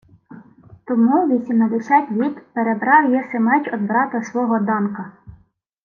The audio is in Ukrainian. — Тому вісімнадесять літ перебрав єси меч од брата свого Данка.